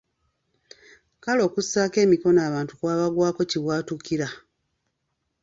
Kale okussaako emikono abantu kwabagwako “kibwatukira”.